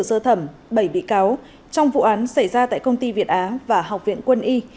sơ thẩm bảy bị cáo trong vụ án xảy ra tại công ty việt á và học viện quân y